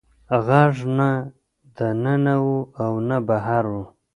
غږ نه د ننه و او نه بهر و.